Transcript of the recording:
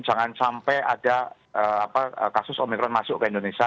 jangan sampai ada kasus omikron masuk ke indonesia